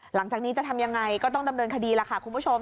หลังจากนี้จะทำยังไงก็ต้องดำเนินคดีล่ะค่ะคุณผู้ชม